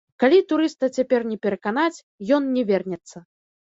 Калі турыста цяпер не пераканаць, ён не вернецца.